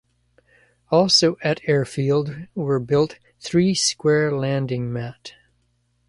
Also at Airfield were built three square landing mat.